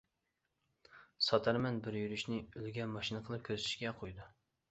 ساتارمەن بىر يۈرۈشنى ئۈلگە ماشىنا قىلىپ كۆرسىتىشكە قويىدۇ.